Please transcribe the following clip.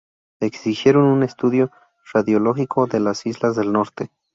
Exigieron un estudio radiológico de las islas del norte.